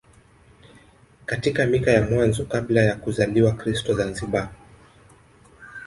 Katika mika ya mwanzo kabla ya kuzaliwa Kristo Zanzibar